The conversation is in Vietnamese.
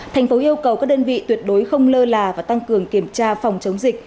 thành phố yêu cầu các đơn vị tuyệt đối không lơ là và tăng cường kiểm tra phòng chống dịch